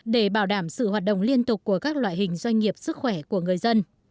để bảo đảm sự hoạt động liên tục của các loại hình doanh nghiệp sức khỏe của người dân